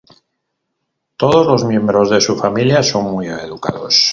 Todos los miembros de su familia son muy educados.